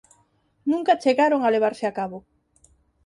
Nunca chegaron a levarse a cabo.